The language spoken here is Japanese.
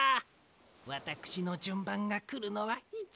わたくしのじゅんばんがくるのはいつ？